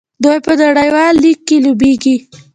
دوی په نړیوال لیګ کې لوبېږي.